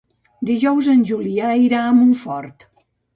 Dijous en Julià irà a Montfort.